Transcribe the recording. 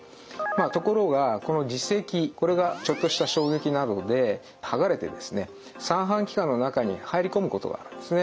ところがこの耳石これがちょっとした衝撃などではがれてですね三半規管の中に入り込むことがあるんですね。